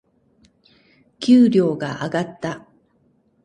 給料が上がった。